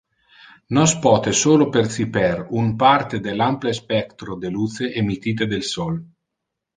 Nos pote solo perciper un parte del ample spectro de luce emittite del sol.